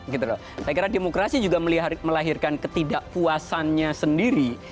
saya kira demokrasi juga melahirkan ketidakpuasannya sendiri